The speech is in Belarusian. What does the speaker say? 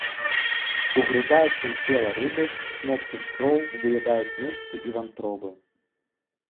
Угрызаюцца ў цела рыбы, смокчуць кроў, выядаюць мышцы і вантробы.